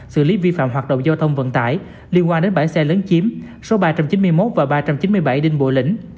xử lý vi phạm hoạt động giao thông vận tải liên quan đến bãi xe lớn chiếm số ba trăm chín mươi một và ba trăm chín mươi bảy đinh bộ lĩnh